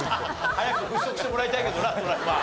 早く払拭してもらいたいけどなトラウマ。